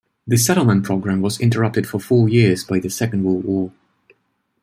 The settlement program was interrupted for four years by the Second World War.